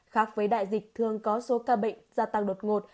khác với đại dịch thường có số ca bệnh gia tăng đột ngột